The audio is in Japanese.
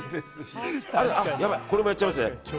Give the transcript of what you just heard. やばい、これもやっちゃいます。